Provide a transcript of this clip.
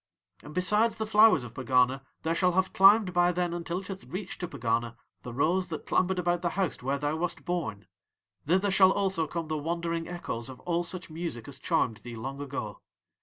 "'And besides the flowers of Pegana there shall have climbed by then until it hath reached to Pegana the rose that clambered about the house where thou wast born. Thither shall also come the wandering echoes of all such music as charmed thee long ago.